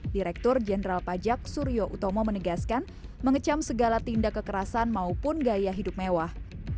direktur jenderal pajak suryo utomo menegaskan mengecam segala tindak kekerasan maupun gaya hidup mewah